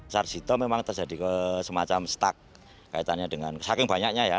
sarjito memang terjadi ke semacam stuck kaitannya dengan saking banyaknya ya